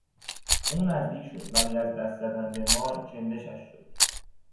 او نزدیک شد ولی از دست زدن به مار چندشش شد.